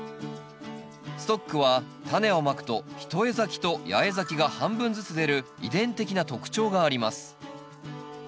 ストックはタネをまくと一重咲きと八重咲きが半分ずつ出る遺伝的な特徴があります。